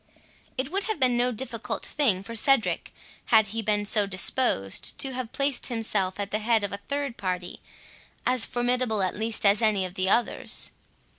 It would have been no difficult thing for Cedric, had he been so disposed, to have placed himself at the head of a third party, as formidable at least as any of the others.